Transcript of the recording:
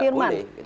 itu tidak boleh